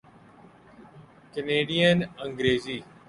Canadian Angrezi